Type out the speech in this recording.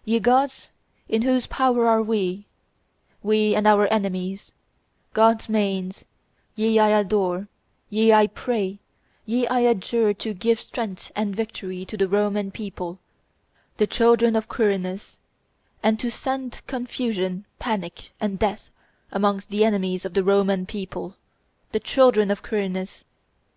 . ye gods in whose power are we, we and our enemies, gods Manes, ye I adore; ye I pray, ye I adjure to give strength and victory to the Roman people, the children of Quirinus, and to send confusion, panic, and death amongst the enemies of the Roman people, the children of Quirinus.